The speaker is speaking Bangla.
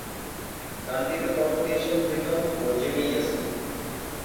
গানটিতে কণ্ঠ দিয়েছেন প্রীতম ও জেমি ইয়াসমিন।